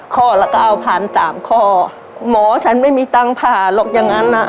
ข้อแล้วก็เอาผ่านสามข้อหมอฉันไม่มีตังค์ผ่าหรอกอย่างนั้นน่ะ